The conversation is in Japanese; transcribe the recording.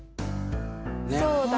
そうだ。